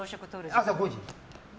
朝５時。